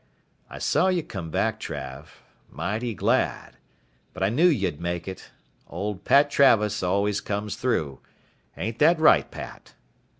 "I saw you come back, Trav. Mighty glad. But I knew you'd make it. Old Pat Travis always comes through. Aint that right, Pat?"